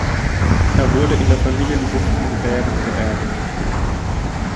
Er wurde in der Familiengruft in Raeren beerdigt.